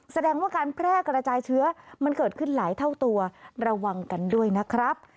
แสดงว่าการแพร่กระจายเชื้อมันเกิดขึ้นหลายเท่าตัวระวังกันด้วยนะครับ